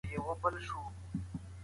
پوې شه، د الفت د لېونو خبرې نورې دي